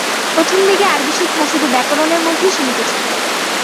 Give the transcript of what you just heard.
প্রথম দিকে আরবি শিক্ষা শুধু ব্যাকরণের মধ্যেই সীমিত ছিল।